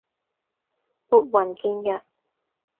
撥雲見日